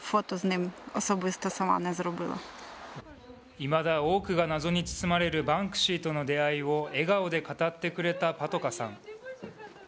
いまだ多くが謎に包まれるバンクシーとの出会いを笑顔で語ってくれたパトカさん。